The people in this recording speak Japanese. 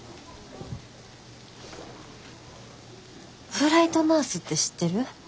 フライトナースって知ってる？